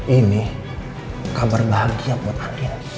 ini kabar bahagia buat rakyat